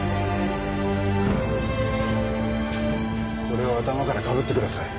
これを頭から被ってください。